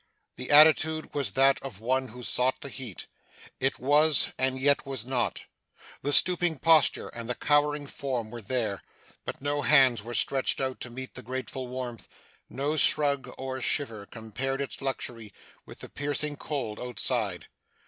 The attitude was that of one who sought the heat. It was, and yet was not. The stooping posture and the cowering form were there, but no hands were stretched out to meet the grateful warmth, no shrug or shiver compared its luxury with the piercing cold outside.